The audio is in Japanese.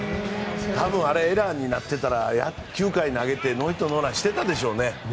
多分、あれがエラーになってたら９回投げてノーヒットノーランしていたでしょうね。